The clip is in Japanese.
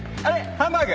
ハンバーグ？